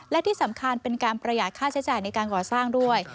และที่สำคัญเป็นการประหยัดค่าใช้จ่ายในการก่อสร้างด้วย